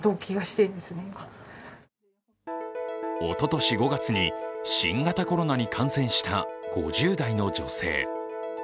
おととし５月に新型コロナに感染した５０代の女性。